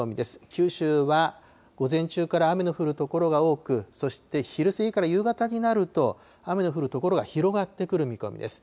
九州は午前中から雨の降る所が多く、そして昼過ぎから夕方になると、雨の降る所が広がってくる見込みです。